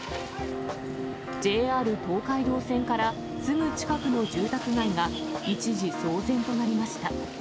ＪＲ東海道線からすぐ近くの住宅街が一時騒然となりました。